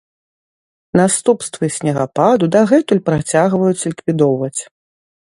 Наступствы снегападу дагэтуль працягваюць ліквідоўваць.